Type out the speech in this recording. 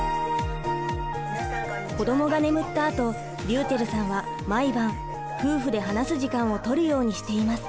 子どもが眠ったあとりゅうちぇるさんは毎晩夫婦で話す時間を取るようにしています。